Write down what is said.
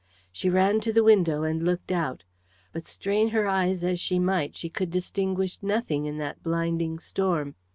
She ran to the window and looked out. But strain her eyes as she might, she could distinguish nothing in that blinding storm.